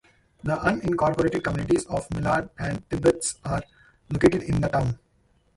The unincorporated communities of Millard and Tibbets are located in the town.